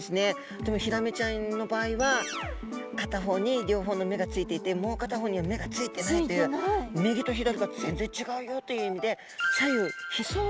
でもヒラメちゃんの場合は片方に両方の目がついていてもう片方には目がついてないという右と左が全然ちがうよという意味で左右非相称の動物なんですね。